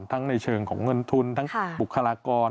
ในเชิงของเงินทุนทั้งบุคลากร